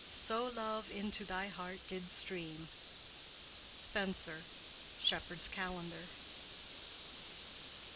So love into thy heart did streame." —SPENSER: Shepard's Calendar.